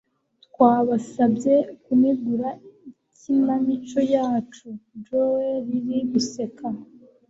Twabasabye kunegura ikinamico yacu, Joe Riley, guseka